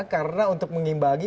karena untuk mengimbangi